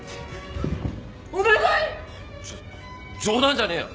じょ冗談じゃねえよ。